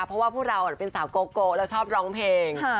เพราะว่าพวกเราเป็นสาวโกแล้วชอบร้องเพลง